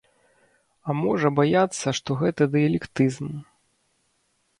А можа баяцца, што гэта дыялектызм.